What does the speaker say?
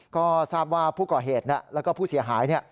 ก็ทราบว่าผู้ก่อเหตุแล้วก็ผู้เสียหาย